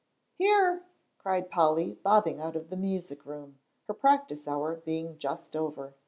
"Here!" cried Polly, bobbing out of the music room, her practice hour being just over.